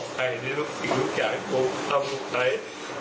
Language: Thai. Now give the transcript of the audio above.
ขอให้ที่รู้สึกอย่างผมทำลูกใคร